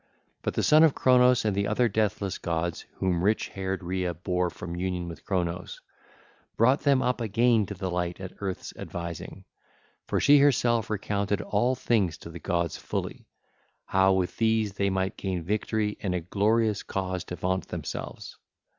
But the son of Cronos and the other deathless gods whom rich haired Rhea bare from union with Cronos, brought them up again to the light at Earth's advising. For she herself recounted all things to the gods fully, how that with these they would gain victory and a glorious cause to vaunt themselves.